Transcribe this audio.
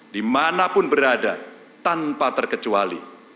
dimanapun berada tanpa terkecuali